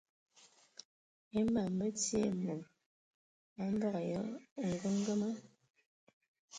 E mam mə ti ai e mod a mbəgə yə a ongəngəma.